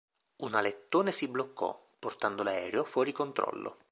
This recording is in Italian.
Un alettone si bloccò, portando l'aereo fuori controllo.